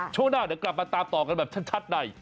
ช่วงหน้าเดี๋ยวกลับมาตามต่อกันแบบชัดใน